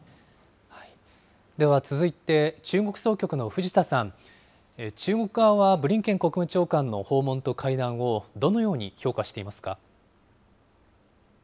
では続いて、中国総局の藤田さん、中国側はブリンケン国務長官の訪問と会談をどのように評価していますか。